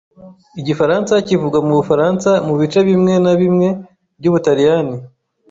Igifaransa kivugwa mu Bufaransa no mu bice bimwe na bimwe by’Ubutaliyani.